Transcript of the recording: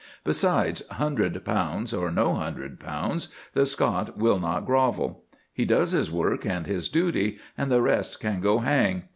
Besides, hundred pounds or no hundred pounds, the Scot will not grovel. He does his work and his duty, and the rest can go hang.